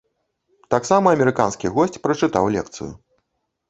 Таксама амерыканскі госць прачытаў лекцыю.